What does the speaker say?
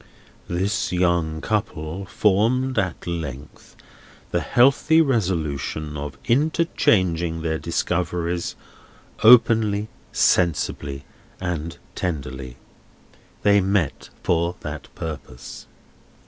"This young couple formed at length the healthy resolution of interchanging their discoveries, openly, sensibly, and tenderly. They met for that purpose.